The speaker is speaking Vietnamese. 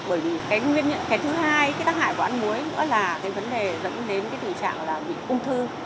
bởi vì cái nguyên nhân cái thứ hai cái tác hại của ăn muối nữa là cái vấn đề dẫn đến cái tình trạng là bị ung thư